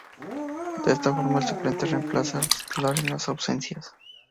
De esta forma, el suplente reemplazaba al titular en las ausencias.